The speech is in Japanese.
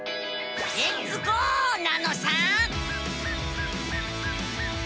レッツゴー！なのさ。